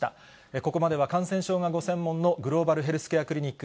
ここまでは感染症がご専門の、グローバルヘルスケアクリニック